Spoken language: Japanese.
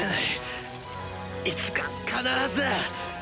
いつか必ず！